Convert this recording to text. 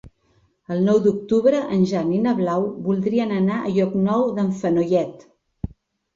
El nou d'octubre en Jan i na Blau voldrien anar a Llocnou d'en Fenollet.